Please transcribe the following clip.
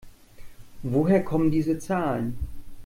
Woher kommen diese Zahlen?